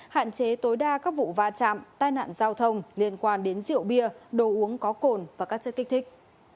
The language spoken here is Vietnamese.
hạn chế tối đa các vụ va chạm tai nạn giao thông liên quan đến rượu bia đồ uống có cồn và các chất kích thích